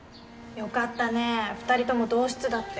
よかったね２人とも同室だって。